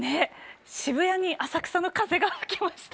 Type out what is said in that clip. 渋谷に浅草の風が吹きました。